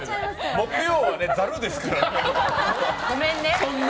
木曜は、ざるですからね。